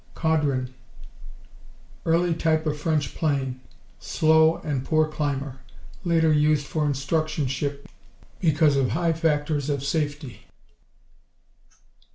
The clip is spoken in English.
Caudron Early type of French plane. Slow and poor climber. Later used for instruction ship because of high factors of safety.